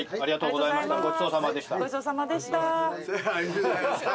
ごちそうさまでした。